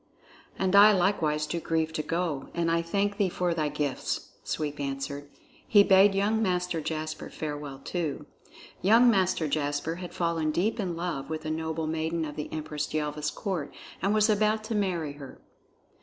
"And I likewise do grieve to go; and I thank thee for thy gifts," Sweep answered. He bade young Master Jasper farewell too. Young Master Jasper had fallen deep in love with a noble maiden of the Empress Yelva's court and was about to marry her.